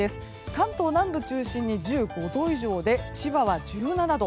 関東南部中心に１５度以上で千葉は１７度。